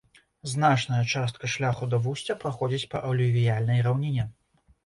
Значная частка шляху да вусця праходзіць па алювіяльнай раўніне.